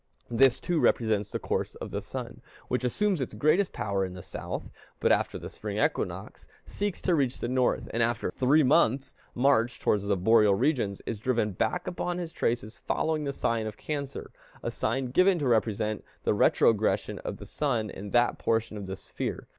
This too represents the course of the Sun, which assumes its greatest power in the South, but after the spring equinox seeks to reach the North; and after a three months' march towards the boreal regions, is driven back upon his traces following the sign of Cancer, a sign given to represent the retrogression of the sun in that portion of the sphere.